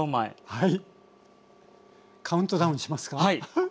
はい。